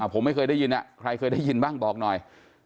ผมไม่เคยได้ยินใครเคยได้ยินบ้างบอกหน่อย